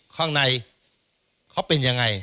ข้างในเขาเป็นยังไง